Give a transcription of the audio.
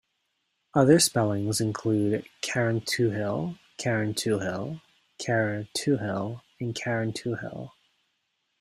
Other spellings include 'Carrantoohil', 'Carrantouhil', 'Carrauntouhil' and 'Carrantuohill'.